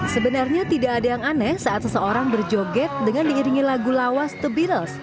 sebenarnya tidak ada yang aneh saat seseorang berjoget dengan diiringi lagu lawas the beatles